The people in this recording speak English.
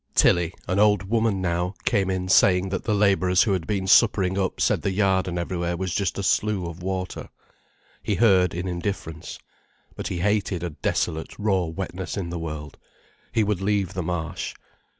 Tilly, an old woman now, came in saying that the labourers who had been suppering up said the yard and everywhere was just a slew of water. He heard in indifference. But he hated a desolate, raw wetness in the world. He would leave the Marsh.